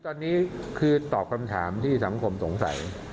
ตอนนี้คือตอบคำถามที่สังคมสงสัย